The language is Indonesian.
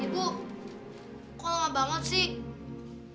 ibu kok lama banget sih